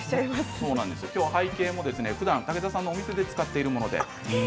背景もふだん武田さんのお店で使っているものです。